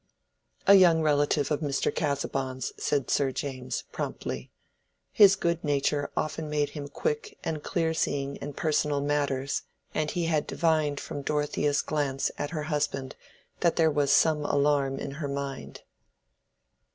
"A young relative of Mr. Casaubon's," said Sir James, promptly. His good nature often made him quick and clear seeing in personal matters, and he had divined from Dorothea's glance at her husband that there was some alarm in her mind.